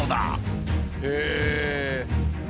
へえ！